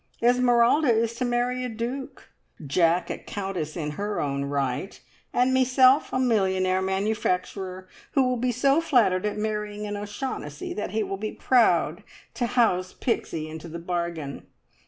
Esmeralda is to marry a duke, Jack a countess in her own right, and meself a millionaire manufacturer, who will be so flattered at marrying an O'Shaughnessy that he will be proud to house Pixie into the bargain.